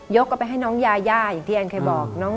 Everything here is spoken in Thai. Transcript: ยกออกไปให้น้องยาอย่างที่แอนเคยบอก